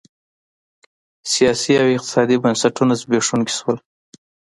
سیاسي او اقتصادي بنسټونه زبېښونکي شول